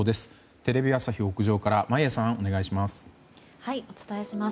テレビ朝日屋上から眞家さん、お願いします。